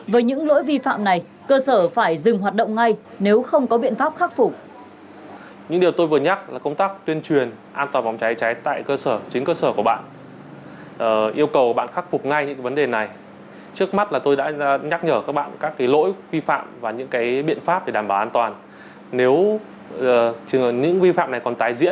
với những lỗi vi phạm này cơ sở phải dừng hoạt động ngay nếu không có biện pháp khắc phục